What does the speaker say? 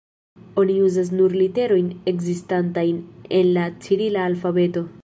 Oni uzas nur literojn ekzistantajn en la cirila alfabeto.